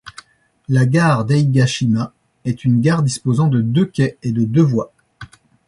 La gare d'Eigashima est une gare disposant de deux quais et de deux voies.